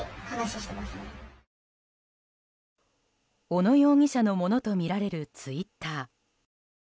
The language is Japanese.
小野容疑者のものとみられるツイッター。